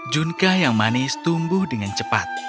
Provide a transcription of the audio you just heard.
junka yang manis tumbuh dengan cepat